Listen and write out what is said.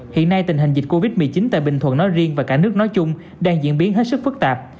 hiện nay tình hình dịch covid một mươi chín tại bình thuận nói riêng và cả nước nói chung đang diễn biến hết sức phức tạp